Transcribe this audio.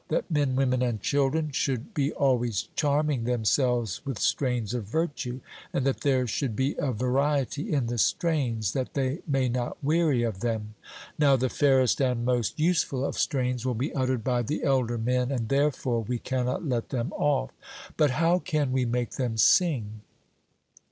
that men, women, and children should be always charming themselves with strains of virtue, and that there should be a variety in the strains, that they may not weary of them? Now the fairest and most useful of strains will be uttered by the elder men, and therefore we cannot let them off. But how can we make them sing?